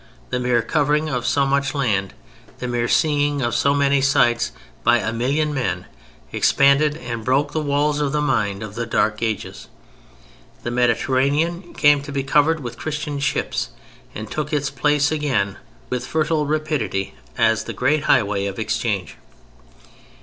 The mere covering of so much land, the mere seeing of so many sights by a million men expanded and broke the walls of the mind of the Dark Ages. The Mediterranean came to be covered with Christian ships, and took its place again with fertile rapidity as the great highway of exchange.